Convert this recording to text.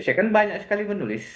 saya kan banyak sekali menulis